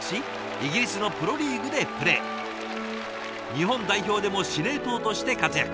日本代表でも司令塔として活躍。